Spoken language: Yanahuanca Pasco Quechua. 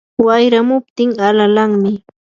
wayramuptin alalanmi.